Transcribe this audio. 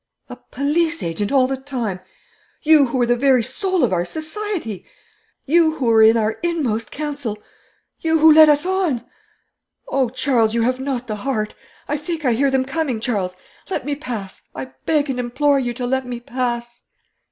'A police agent all the time! You who were the very soul of our society! You who were in our inmost council! You who led us on! Oh, Charles, you have not the heart! I think I hear them coming, Charles. Let me pass; I beg and implore you to let me pass.'